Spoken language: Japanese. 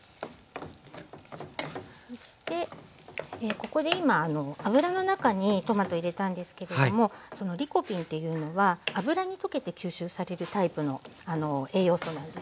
そしてここで今油の中にトマト入れたんですけれどもそのリコピンというのは油に溶けて吸収されるタイプの栄養素なんですね。